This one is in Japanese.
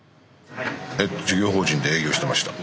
事業法人で営業してました。